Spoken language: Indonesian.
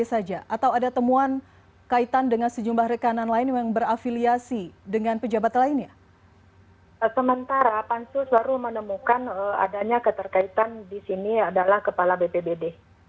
sementara pansus baru menemukan adanya keterkaitan di sini adalah kepala bpbd